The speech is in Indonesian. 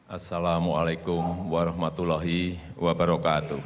assalamu'alaikum warahmatullahi wabarakatuh